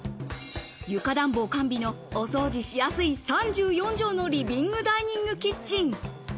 床暖房完備のお掃除しやすい３４畳のリビングダイニングキッチン。